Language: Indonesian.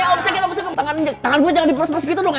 om sakit om sakit tangan gue jangan dipers pers gitu dong